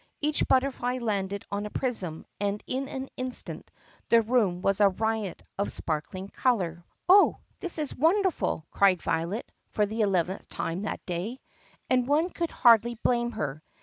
Each but'terfly landed on a prism and in an instant the room was a riot of sparkling color. 70 THE PUSSYCAT PRINCESS "Oh, this is wonderful!" cried Violet for the eleventh time that day. And one could hardly blame her.